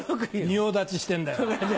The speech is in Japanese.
仁王立ちしてんだよ。